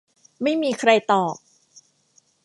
ไม่มีใครตอบ